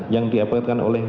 yang diapetkan oleh